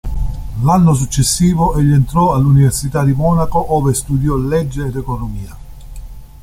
L'anno successivo egli entrò all'università di Monaco ove studiò legge ed economia.